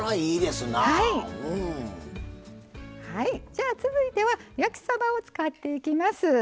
じゃあ続いては焼きさばを使っていきます。